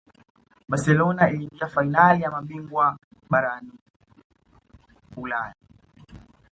barcelona iliingia fainali ya mabingwa barani ulaya